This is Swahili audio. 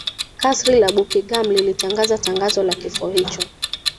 kasri la buckingham lilitangaza tangazo la kifo hicho